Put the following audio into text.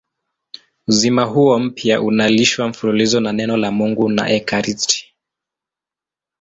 Uzima huo mpya unalishwa mfululizo na Neno la Mungu na ekaristi.